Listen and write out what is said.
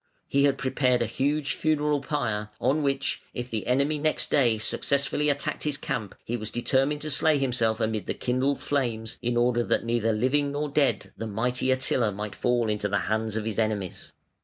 He had prepared a huge funeral pyre, on which, if the enemy next day successfully attacked his camp, he was determined to slay himself amid the kindled flames, in order that neither living nor dead the mighty Attila might fall into the hands of his enemies.